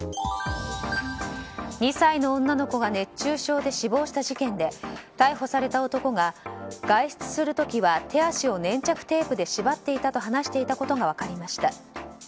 ２歳の女の子が熱中症で死亡した事件で逮捕された男が外出する時は手足を粘着テープで縛っていたと話していたことが分かりました。